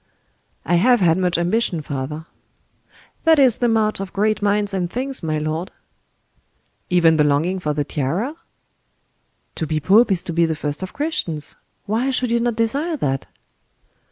"I have had much ambition, father." "That is the march of great minds and things, my lord." "Even the longing for the tiara?" "To be pope is to be the first of Christians. Why should you not desire that?"